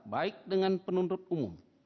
baik dengan penuntut umum